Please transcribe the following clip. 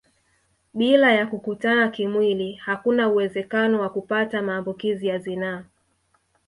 Bila ya kukutana kimwili hakuna uwezekano wa kupata maambukizi ya zinaa